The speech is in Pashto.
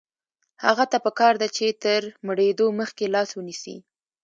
هغه ته پکار ده چې تر مړېدو مخکې لاس ونیسي.